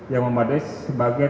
yang memadai sebagai